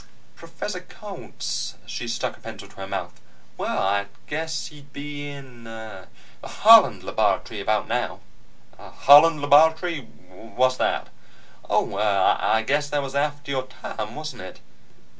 "Professor Coltz?" She stuck a pencil to her mouth. "Well, I guess he'd be in the Holland Laboratory about now." "Holland Laboratory? What's that?" "Oh, I guess that was after your time, wasn't it?"